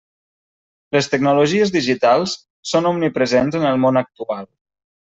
Les tecnologies digitals són omnipresents en el món actual.